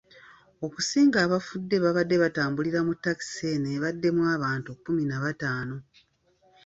Okusinga abafudde babadde batambulira mu takisi eno ebaddemu abantu kkumi na bataano.